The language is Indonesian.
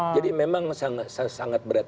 jadi memang sangat berat